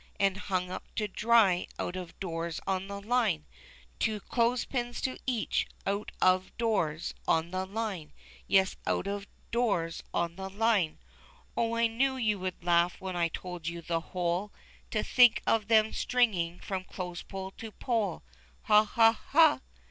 And hung up to dry out of doors on the line ! Two clothes pins to each, out of doors, on the line Yes, out of doors on the line. so FUNNY! 351 Oh, I knew you would laugh when I'd told you the whole, To think of them stringing from clothes pole to pole ; Ha, ha, ha